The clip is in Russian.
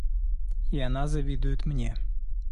И она завидует мне.